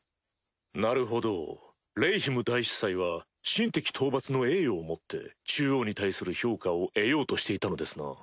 なるほどレイヒム大司祭は神敵討伐の栄誉をもって中央に対する評価を得ようとしていたのですな。